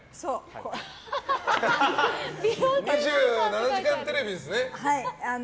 「２７時間テレビ」ですね。